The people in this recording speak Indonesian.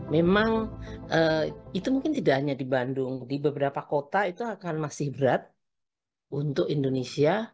memang itu mungkin tidak hanya di bandung di beberapa kota itu akan masih berat untuk indonesia